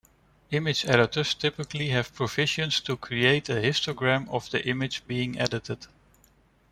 Image editors typically have provisions to create a histogram of the image being edited.